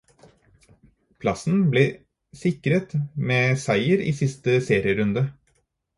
Plassen ble sikret med seier i siste serierunde.